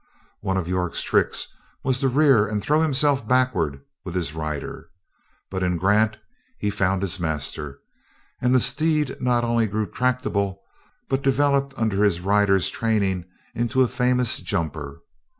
One of York's tricks was to rear and throw himself backward with his rider. But in Grant he found his master, and the steed not only grew tractable, but developed under his rider's training into a famous jumper.